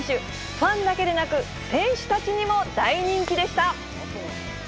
ファンだけでなく、選手たちにも大人気でした。